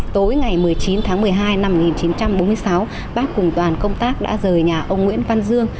tối ngày một mươi chín tháng một mươi hai năm một nghìn chín trăm bốn mươi sáu bác cùng toàn công tác đã rời nhà ông nguyễn văn dương